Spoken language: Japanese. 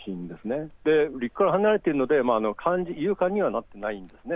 そして陸から離れているので有感にはなっていないんです。